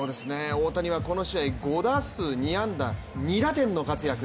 大谷はこの試合５打数２安打２打点の活躍。